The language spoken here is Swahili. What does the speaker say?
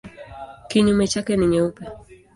Kinyume chake ni nyeupe.